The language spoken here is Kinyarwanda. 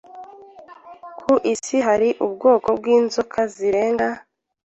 Ku isi hari ubwoko bwinzoka zirenga